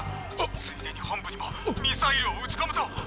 ついでに本部にもミサイルを撃ち込むと。